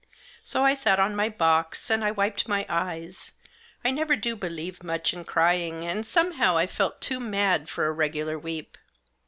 So I sat on my box, and I wiped my eyes ; I never do believe much Digitized by THE DOLL. 28 in crying, and somehow I felt too mad for a regular weep.